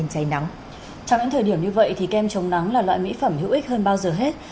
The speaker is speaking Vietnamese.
trong những thời điểm như vậy thì kem chống nắng là loại mỹ phẩm hữu ích hơn bao giờ hết